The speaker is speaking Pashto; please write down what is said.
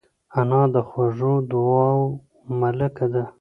انا د خوږو دعاوو ملکه ده